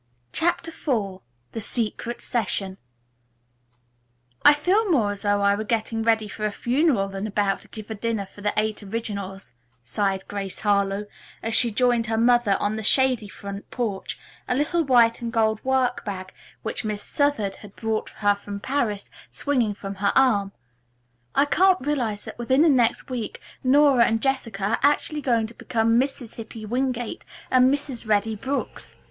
CHAPTER IV THE SECRET SESSION "I feel more as though I were getting ready for a funeral than about to give a dinner for the Eight Originals," sighed Grace Harlowe, as she joined her mother on the shady front porch, a little white and gold work bag, which Miss Southard had brought her from Paris, swinging from her arm. "I can't realize that, within the next week, Nora and Jessica are actually going to become Mrs. Hippy Wingate and Mrs. Reddy Brooks.